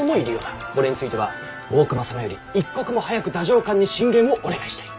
これについては大隈様より一刻も早く太政官に進言をお願いしたい。